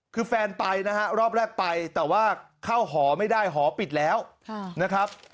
คือแฟนไปนะฮะรอบแรกไปแต่ว่าเข้าหอไม่ได้หอปิดแล้วนะครับ